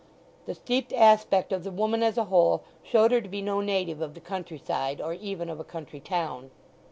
The steeped aspect of the woman as a whole showed her to be no native of the country side or even of a country town.